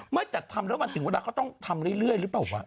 ไม่แต่ทำแล้วมันถึงเวลาเขาต้องทำเรื่อยหรือเปล่าวะ